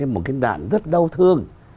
một cái đạn rất đau thương